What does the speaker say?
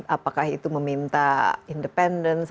apakah itu meminta independensi